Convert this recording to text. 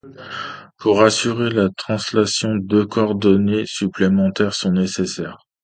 Pour assurer la translation, deux coordonnées supplémentaires sont nécessaires.